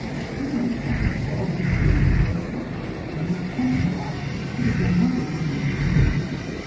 Funerary cones were objects purely devotional, and the most consummate art could have done nothing to make them elegant.